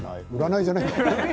占いじゃないや。